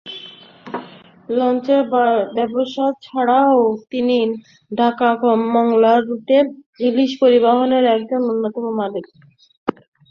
লঞ্চের ব্যবসা ছাড়াও তিনি ঢাকা-মাওয়া রুটে ইলিশ পরিবহনেরও একজন অন্যতম মালিক।